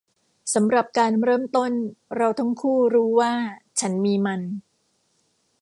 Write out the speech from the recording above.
สำหรับการเริ่มต้นเราทั้งคู่รู้ว่าฉันมีมัน